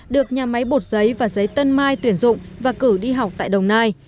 được nhà máy bột giấy và giấy tân mai tuyển dụng và cử đi học tại đồng nai